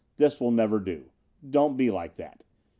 This will never do. Don't be like that.